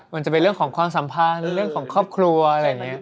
มันจะเป็นเรื่องของความสัมพันธ์เรื่องของครอบครัวอะไรอย่างนี้